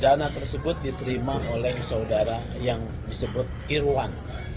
dana tersebut diterima oleh saudara yang disebut irwan